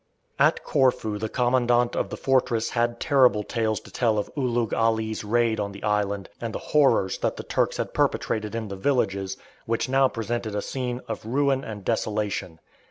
At Corfu the commandant of the fortress had terrible tales to tell of Ulugh Ali's raid on the island, and the horrors that the Turks had perpetrated in the villages, which now presented a scene of ruin and desolation.